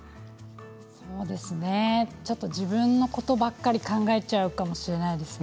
そうですねちょっと自分のことばかり考えちゃうかもしれないですね。